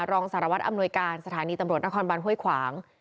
รองสารวัตรอำนวยการสถานีตำรวจนครบันห้วยขวาง